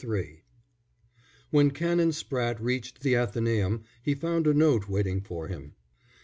III When Canon Spratte reached the Athenæum he found a note waiting for him.